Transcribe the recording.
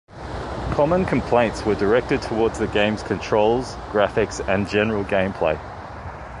Common complaints were directed towards the game's controls, graphics, and general gameplay.